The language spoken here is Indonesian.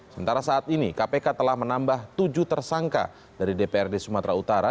sementara saat ini kpk telah menambah tujuh tersangka dari dprd sumatera utara